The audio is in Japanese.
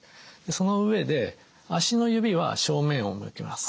その上で足の指は正面を向けます。